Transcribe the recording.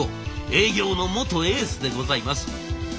営業の元エースでございます。